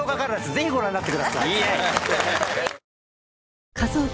ぜひご覧になってください。